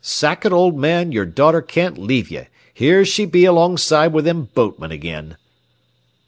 Sackett, old man, your daughter can't leave ye. Here she be alongside with them boatmen agin."